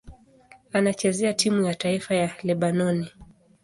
Anachezea timu ya taifa ya Lebanoni.